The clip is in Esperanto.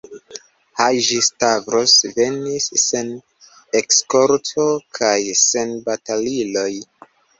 Haĝi-Stavros venis, sen eskorto kaj sen bataliloj.